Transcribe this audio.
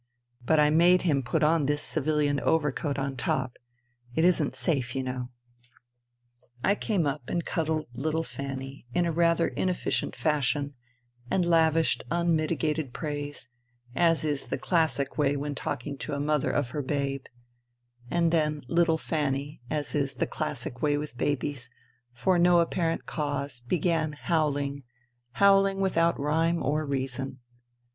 " But I made him put on this civilian overcoat on top. It isn't safe, you know." I came up and cuddled little Fanny in a rather inefficient fashion and lavished unmitigated praise, as is the classic way when talking to a mother of her INTERVENING IN SIBERIA 197 babe. And then little Fanny, as is the classic way with babies, for no apparent cause, began howling, howling without rhyme or reason.